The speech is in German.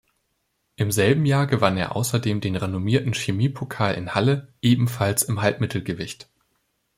Im selben Jahr gewann er außerdem den renommierten Chemiepokal in Halle, ebenfalls im Halbmittelgewicht.